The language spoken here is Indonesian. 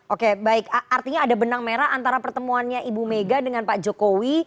oke baik artinya ada benang merah antara pertemuannya ibu mega dengan pak jokowi